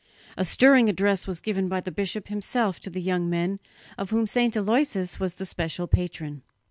A stirring address was given by the bishop himself to the young men, of whom St. Aloysius was the special patron.